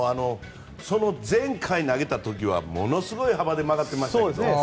その前回投げた時はものすごい幅で曲がってましたよね。